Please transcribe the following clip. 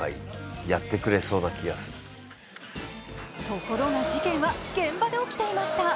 ところが事件は現場で起きていました。